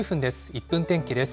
１分天気です。